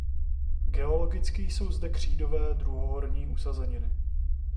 Geologicky jsou zde křídové druhohorní usazeniny.